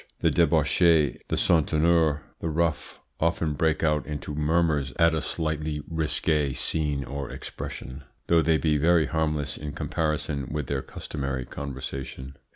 The debauchee, the souteneur, the rough often break out into murmurs at a slightly risky scene or expression, though they be very harmless in comparison with their customary conversation.